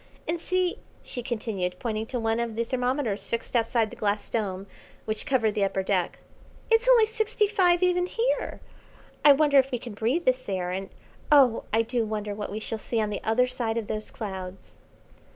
And see," she continued, pointing to one of the thermometers fixed outside the glass dome which covered the upper deck, "it's only sixty five even here. I wonder if we can breathe this air, and oh I do wonder what we shall see on the other side of those clouds."